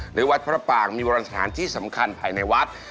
หรือวัดพระปางมีวรรณสถานที่สำคัญภายในวัด